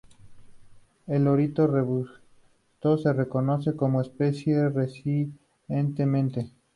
El lorito robusto se reconoce como especie recientemente.